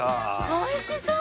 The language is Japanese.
おいしそう！